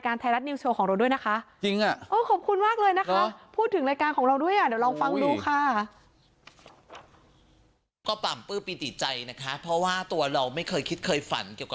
พระอนุหญิงขระมาสการ